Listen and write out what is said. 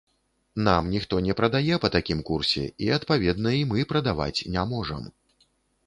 Нам ніхто не прадае па такім курсе і, адпаведна, і мы прадаваць не можам.